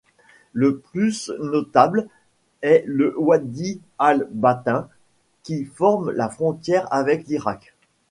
Le plus notable est le Wadi al Batin, qui forme la frontière avec l'Irak.